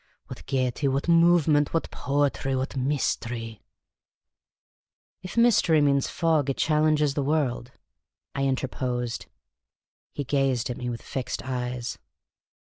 What gaiety ! What movement ! What poetry ! What mystery !"" If mystery means fog, it challenges the world," I inter posed. He gazed at me with fixed eyes.